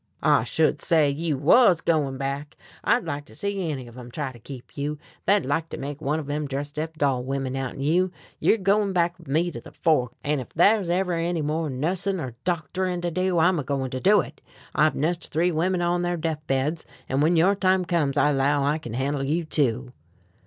"I should say you wuz goin' back! I'd like to see any of 'em try to keep you. They'd like to make one o' them dressed up doll women outen you! You're goin' back with me to the Fork, an' ef thar's ever any more nussin' er doctorin' to do, I'm a goin' to do hit. I've nussed three women on their deathbeds, an' when your time comes I 'low I kin handle you too."